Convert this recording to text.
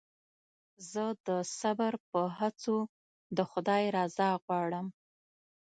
زه د صبر په هڅو د خدای رضا غواړم.